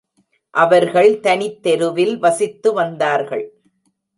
அவர்கள் தனித்தெருவில் வசித்து வந்தார்கள்.